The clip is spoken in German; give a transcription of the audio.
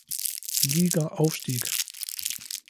Liga aufstieg.